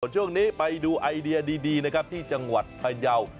ช่วงนี้ไปดูไอเดียดีนะครับที่จังหวัดพยาว